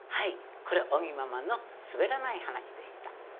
尾木ママのすべらない話でした。